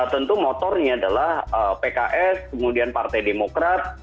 tentu motornya adalah pks kemudian partai demokrat